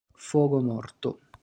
Fogo Morto